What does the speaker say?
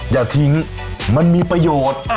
อย่าทิ้งมันมีประโยชน์